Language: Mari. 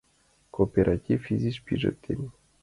Кооператив изиш пижыктен.